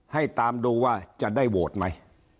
ให้ตามดูว่าจะได้โหวตไหม